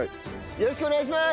よろしくお願いします。